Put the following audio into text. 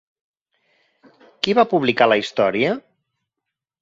Qui va publicar la història?